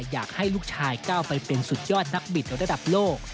อยากให้ลูกชายก้าวไปเป็นสุดยอดนักบิดระดับโลก